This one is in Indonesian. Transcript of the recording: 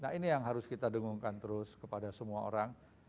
nah ini yang harus kita dengungkan terus kepada semua orang